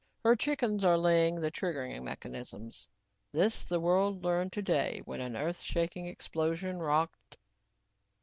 Her chickens are laying the triggering mechanisms. "This the world learned today when an earth shaking explosion rocked...."